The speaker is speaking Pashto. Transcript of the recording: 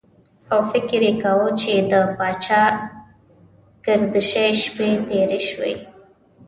او فکر یې کاوه چې د پاچاګردشۍ شپې تېرې شوې.